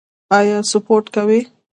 ایا سپورت کوئ؟